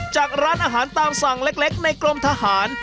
จากร้านอาหารตามสั่งเล็กในกรมทหาร